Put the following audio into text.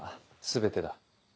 全てだ。